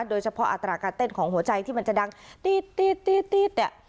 โดยเฉพาะอัตราการเต้นของหัวใจที่มันจะดังตี๊ดเนี่ย